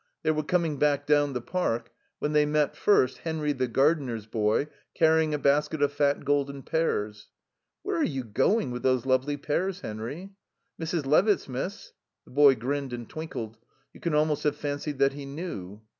They were coming back down the Park when they met, first, Henry, the gardener's boy, carrying a basket of fat, golden pears. "Where are you going with those lovely pears, Henry?" "Mrs. Levitt's, miss." The boy grinned and twinkled; you could almost have fancied that he knew.